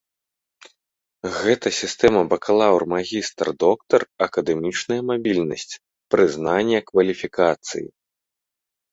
Гэта сістэма бакалаўр-магістр-доктар, акадэмічная мабільнасць, прызнанне кваліфікацыі.